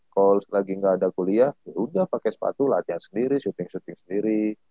kalo lagi gak ada kuliah ya udah pake sepatu latihan sendiri shooting shooting sendiri